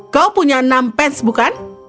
kau punya enam pence bukan